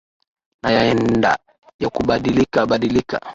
na yanaenda yakubadilika badilika